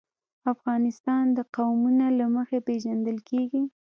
افغانستان د قومونه له مخې پېژندل کېږي.